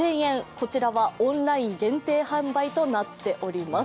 こちらはオンライン限定販売となっております。